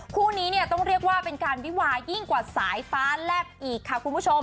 คู่นี้เนี่ยต้องเรียกว่าเป็นการวิวายิ่งกว่าสายฟ้าแลบอีกค่ะคุณผู้ชม